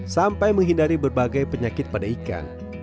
sampai menghindari berbagai penyakit pada ikan